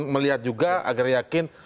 melihat juga agar yakin